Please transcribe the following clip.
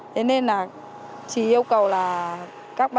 thế nên là chỉ yêu cầu là các bàn